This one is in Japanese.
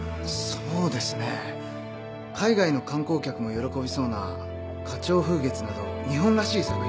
そうですね海外の観光客も喜びそうな「花鳥風月」など日本らしい作品にしてみては？